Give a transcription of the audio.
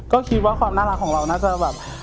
ก็คิดว่าความน่ารักของเราน่าจะแบบ